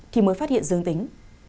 thì mới phát hiện dương tính